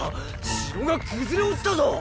城が崩れ落ちたぞ！